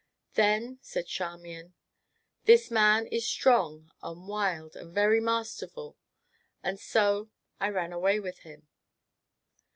"Then," said Charmian, "this man is strong and wild and very masterful, and so I ran away with him."